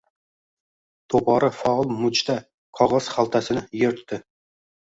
To‘pori faol mujda qog‘oz xaltasini, yirtdi.